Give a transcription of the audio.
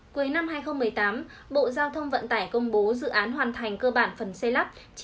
cuối năm hai nghìn một mươi tám bộ giao thông vận tải công bố dự án hoàn thành cơ bản phần xây lắp chín mươi chín